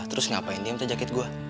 terus ngapain dia minta jakit gue